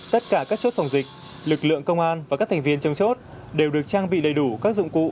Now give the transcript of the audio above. tất cả các chốt phòng dịch lực lượng công an và các thành viên trong chốt đều được trang bị đầy đủ các dụng cụ